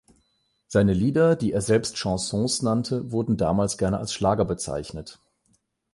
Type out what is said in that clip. Seine Lieder, die er selbst Chansons nannte, wurden damals gerne als Schlager bezeichnet.